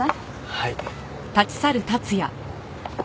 はい。